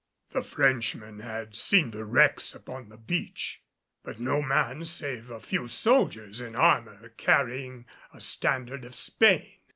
The Frenchmen had seen the wrecks upon the beach, but no man save a few soldiers in armor carrying a standard of Spain.